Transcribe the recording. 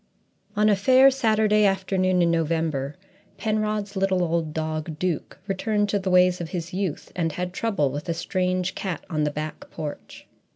GIPSY On a fair Saturday afternoon in November Penrod's little old dog Duke returned to the ways of his youth and had trouble with a strange cat on the back porch.